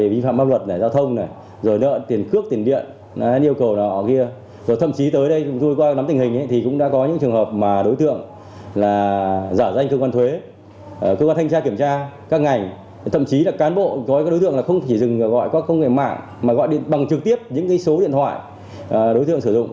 và gọi các công nghệ mạng mà gọi bằng trực tiếp những số điện thoại đối tượng sử dụng